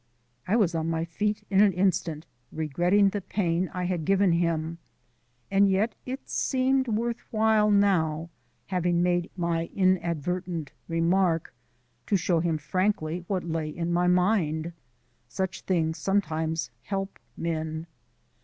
I was on my feet in an instant, regretting the pain I had given him; and yet it seemed worth while now, having made my inadvertent remark, to show him frankly what lay in my mind. Such things sometimes help men.